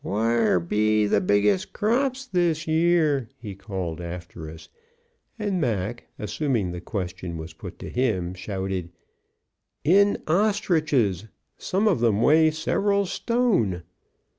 "Whar be th' biggest crops this year?" he called after us; and Mac, assuming the question was put to him, shouted, "In ostriches. Some of them weigh several stone."